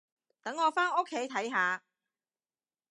等我返屋企睇下